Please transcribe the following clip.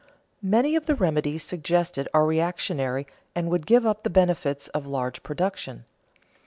_ Many of the remedies suggested are reactionary and would give up the benefits of large production.